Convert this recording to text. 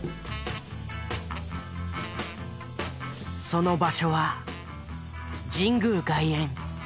その場所は神宮外苑。